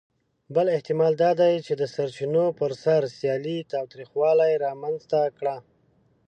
بل احتمال دا دی، چې د سرچینو پر سر سیالي تاوتریخوالي رامنځ ته کړه.